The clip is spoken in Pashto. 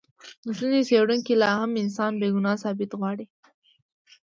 ځینې څېړونکي لا هم انسان بې ګناه ثابتول غواړي.